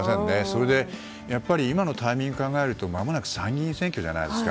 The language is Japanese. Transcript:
それで今のタイミングを考えるとまもなく参議院選挙なので。